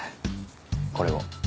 これを。